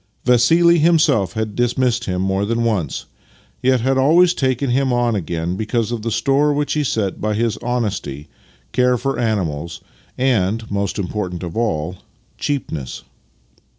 Vassili himself had dismissed him more than once, yet had always taken him on again because of the store which he set by his honesty, care for animals, and (most important of all) cheapness.